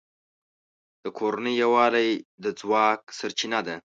د کورنۍ یووالی د ځواک سرچینه ده.